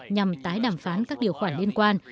nhằm tái đàm phán các điều khoản liên quan